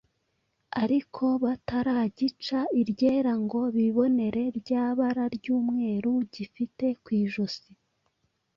ariko bataragica iryera ngo bibonere rya bara ry’umweru gifite ku ijosi.